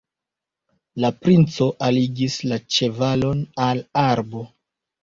La princo alligis la ĉevalon al arbo.